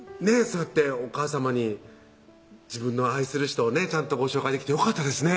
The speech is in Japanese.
そうやってお母さまに自分の愛する人をねちゃんとご紹介できてよかったですね